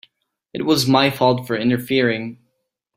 It was my fault for interfering.